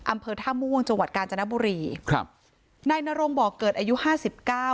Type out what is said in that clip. อำเภอท่าม่วงจังหวัดกาญจนบุรีครับนายนรงบอกเกิดอายุห้าสิบเก้า